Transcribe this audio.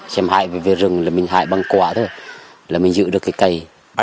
xâm hại về rừng là mình hại bằng quả thôi là mình giữ được cái cây